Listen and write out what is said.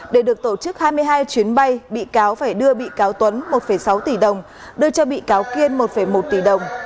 để được tổ chức hai mươi hai chuyến bay bị cáo phải đưa bị cáo tuấn một sáu tỷ đồng đưa cho bị cáo kiên một một tỷ đồng